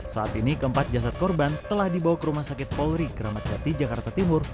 saat ini keempat jasad korban telah dibawa ke rumah sakit polri kramat jati jakarta timur